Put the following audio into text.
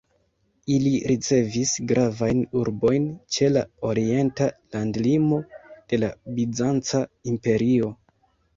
Ili ricevis gravajn urbojn ĉe la orienta landlimo de la Bizanca Imperio.